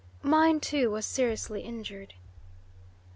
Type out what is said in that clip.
Mine, too, was seriously injured."